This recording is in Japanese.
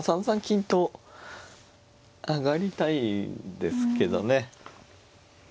３三金と上がりたいんですけどね。